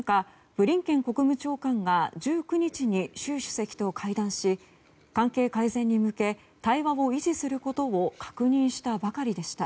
ブリンケン国務長官が１９日に習主席と会談し関係改善に向け対話を維持することを確認したばかりでした。